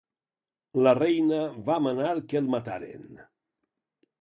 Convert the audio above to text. La reina va manar que el mataren.